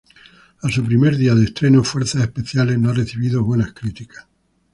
A su primer día de estreno, "Fuerzas Especiales" no ha recibido buenas críticas.